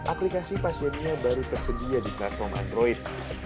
aplikasi pasiennya baru tersedia di platform android